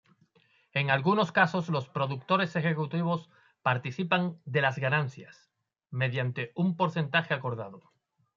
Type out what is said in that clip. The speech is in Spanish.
En algunos casos los productores ejecutivos participan de las ganancias, mediante un porcentaje acordado.